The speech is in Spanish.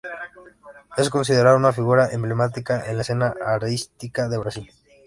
Es considerado una figura emblemática de la escena artística de Brasil.